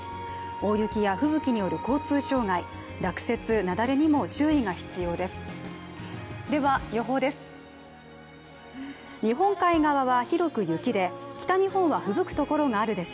大雪や吹雪による交通障害落雪、雪崩にも注意が必要です。